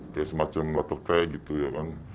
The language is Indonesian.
kayak semacam latar t gitu ya kan